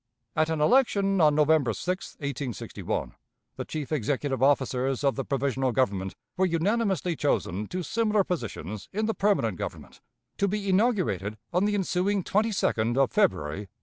At an election on November 6, 1861, the chief executive officers of the provisional Government were unanimously chosen to similar positions in the permanent Government, to be inaugurated on the ensuing 22d of February, 1862.